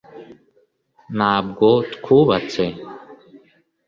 ntabwo twubatse